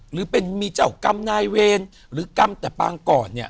หรือเป็นมีเจ้ากรรมนายเวรหรือกรรมแต่ปางก่อนเนี่ย